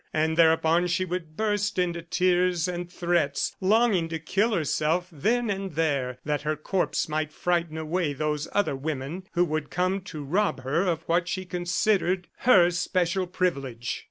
And, thereupon she would burst into tears and threats, longing to kill herself then and there that her corpse might frighten away those other women who would come to rob her of what she considered her special privilege.